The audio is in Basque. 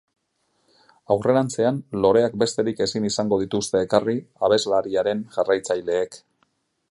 Aurrerantzean loreak besterik ezin izango dituzte ekarri abeslariaren jarraitzaileek.